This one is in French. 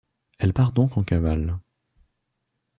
Elle part donc en cavale.